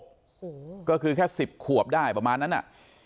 โอ้โหก็คือแค่สิบขวบได้ประมาณนั้นอ่ะ